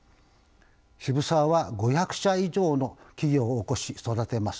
渋沢は５００社以上の企業をおこし育てます。